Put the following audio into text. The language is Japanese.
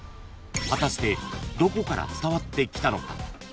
［果たしてどこから伝わってきたのか］